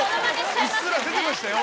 うっすら出てましたよ。